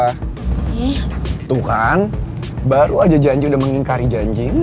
shh tuh kan baru aja janji udah mengingkari janji